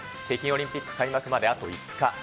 北京オリンピック開幕まであと５日。